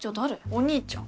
お兄ちゃん